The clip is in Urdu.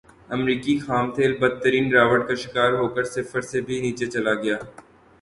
امریکی خام تیل بدترین گراوٹ کا شکار ہوکر صفر سے بھی نیچے چلا گیا